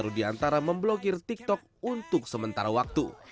rudiantara memblokir tiktok untuk sementara waktu